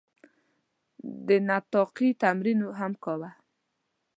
د نطاقي تمرین هم کاوه.